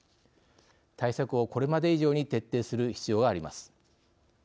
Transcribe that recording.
対策をこれまで以上に徹底する必要があります。